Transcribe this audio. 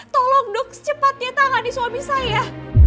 tolong dok secepatnya tangani suami saya